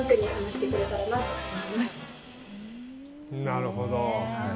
なるほど。